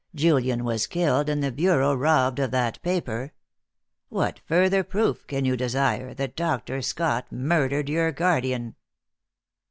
Julian was killed, and the bureau robbed of that paper. What further proof can you desire that Dr. Scott murdered your guardian?"